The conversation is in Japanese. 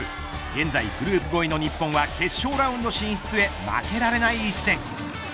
現在グループ５位の日本は決勝ラウンド進出へ負けられない一戦。